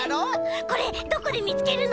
これどこでみつけるの？